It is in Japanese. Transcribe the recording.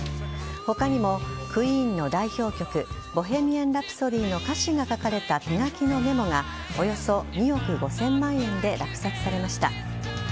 他にもＱＵＥＥＮの代表曲「ボヘミアン・ラプソディ」の歌詞が書かれた手書きのメモがおよそ２億５０００万円で落札されました。